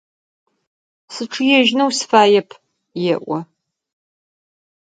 Сычъыежьынэу сыфаеп, – elo.